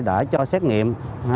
đã cho xét nghiệm